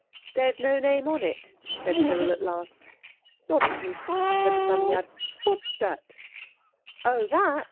"There's no name on it," said Cyril at last. "Nonsense," said the Psammead; "what's that?" "Oh, _that!